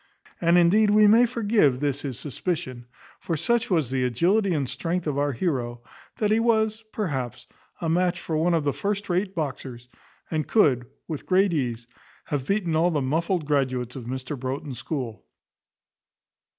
And indeed we may forgive this his suspicion; for such was the agility and strength of our heroe, that he was, perhaps, a match for one of the first rate boxers, and could, with great ease, have beaten all the muffled[*] graduates of Mr Broughton's school.